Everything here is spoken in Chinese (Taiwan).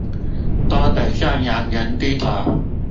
都得向洋人低頭